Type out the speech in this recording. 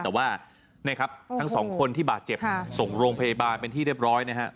แต่ว่าทั้งสองคนที่บาดเจ็บส่งโรงพยาบาลเป็นที่เรียบร้อยนะฮะ